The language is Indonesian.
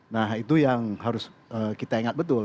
nah itu yang harus kita ingat betul